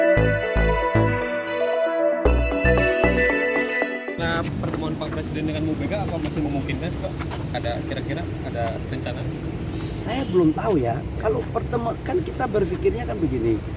tidak perlu kita merasa gerasak gugusu